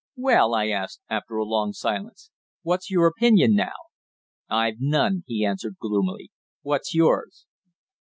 "Well," I asked, after a long silence. "What's your opinion now?" "I've none," he answered, gloomily. "What's yours?"